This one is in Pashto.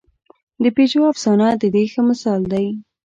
د پېژو افسانه د دې ښه مثال دی.